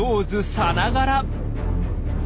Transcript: さながら！